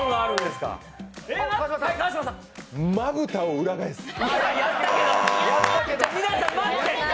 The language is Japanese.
まぶたを裏返す。